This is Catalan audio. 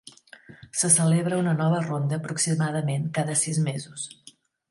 Se celebra una nova ronda aproximadament cada sis mesos.